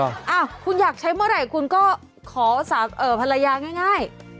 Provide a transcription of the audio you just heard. อ้าวคุณอยากใช้เมื่อไหร่คุณก็ขอภรรยาง่าย